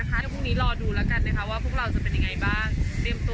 พี่หุนเซ็นนั่นเองค่ะ